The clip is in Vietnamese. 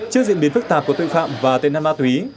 trước diễn biến phức tạp của tội phạm và tên năm ma túy